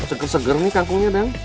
seger seger nih kangkungnya dong